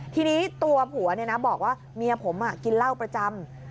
ทีนี้ตัวผัวบอกว่าเมียผมกินเหล้าประจำ